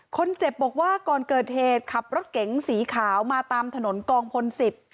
คนเจ็บบอกว่าก่อนเกิดเหตุขับรถเก๋งสีขาวมาตามถนนกองพล๑๐